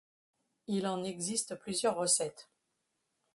Il en existe plusieurs recettes.